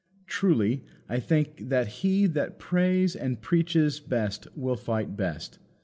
Truly, I think that he that prays and preaches best will fight best.